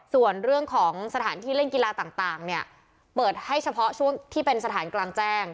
ส่วนเรื่องของสถานที่เล่นกีฬาต่างเนี่ยเปิดให้เฉพาะช่วงที่เป็นสถานกลางแจ้ง